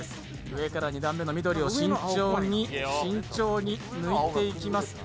上から２段目の緑を慎重に抜いていきます。